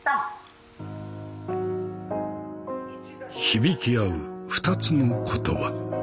響き合うふたつの言葉。